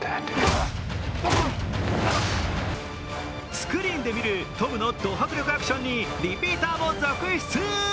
スクリーンで見るトムのド迫力アクションにリピーターも続出。